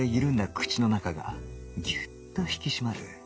口の中がぎゅっと引き締まる